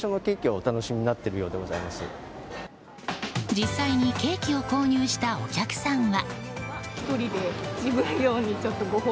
実際にケーキを購入したお客さんは。